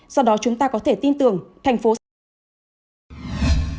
do đó chúng ta có thể tin tưởng tp hcm sẽ tăng tỷ lệ